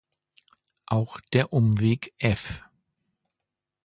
Auch der Umweg f